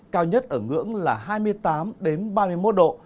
cao nhất ở ngưỡng là hai mươi tám ba mươi một độ